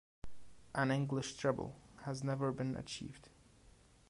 An English Treble has never been achieved.